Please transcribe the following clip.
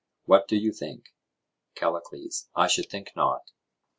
—What do you think? CALLICLES: I should think not.